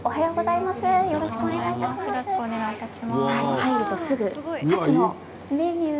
入るとすぐ、さっきのメニュー。